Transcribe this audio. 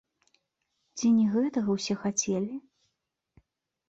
Ці не гэтага ўсе хацелі?